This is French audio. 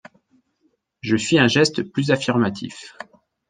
Je fis un geste plus affirmatif.